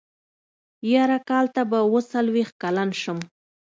يره کال ته به اوه څلوېښت کلن شم.